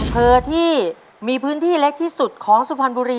อำเภอที่มีพื้นที่เล็กที่สุดของสุพรรณบุรี